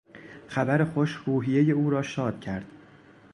خبر خوش روحیهی او را شاد کرد.